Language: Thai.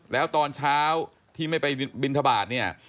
แล้วตอนเช้าที่ไม่ไปบินทบาทเนี่ย